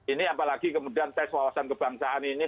ini apalagi kemudian tes wawasan kebangsaan ini